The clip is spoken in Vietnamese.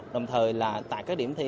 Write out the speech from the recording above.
đồng thời là tại các điểm thi